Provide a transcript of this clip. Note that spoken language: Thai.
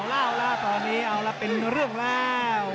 เอาล่ะเอาล่ะตอนนี้เอาล่ะเป็นเรื่องแล้ว